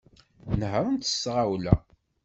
Nehhṛent s tɣawla.